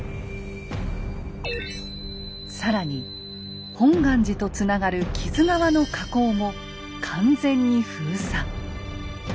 更に本願寺とつながる木津川の河口も完全に封鎖。